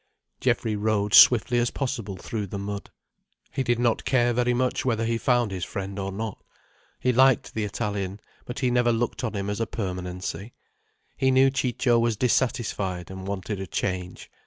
Geoffrey rode swiftly as possible through the mud. He did not care very much whether he found his friend or not. He liked the Italian, but he never looked on him as a permanency. He knew Ciccio was dissatisfied, and wanted a change.